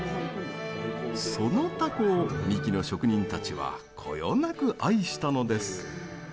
そのタコを三木の職人たちはこよなく愛したのです。